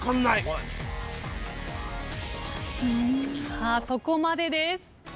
さあそこまでです。